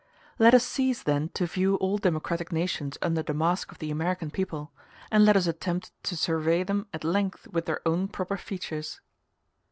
Let us cease then to view all democratic nations under the mask of the American people, and let us attempt to survey them at length with their own proper features.